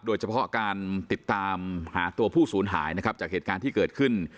โดยเฉพาะการติดตามหาตัวผู้สูญหายนะครับจากเหตุการณ์ที่เกิดขึ้น